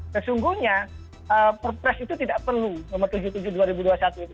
nah sungguhnya perpres itu tidak perlu nomor tujuh puluh tujuh tahun dua ribu dua puluh satu itu